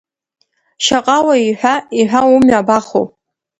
Шьаҟауаҩ иҳәа, Иҳәа умҩа абахоу?